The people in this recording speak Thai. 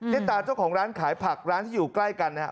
ติดตามเจ้าของร้านขายผักร้านที่อยู่ใกล้กันนะครับ